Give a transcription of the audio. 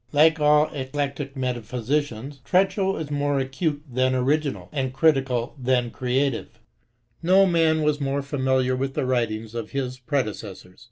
Like all eclectic metaphysicians, Treschow is more acute than original, and critical rather than creative. No man was more familiar with the writings of his predecessors.